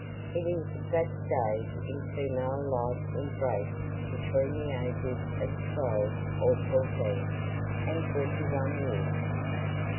It is that stage in female life embraced between the ages of twelve or fourteen and twenty one years.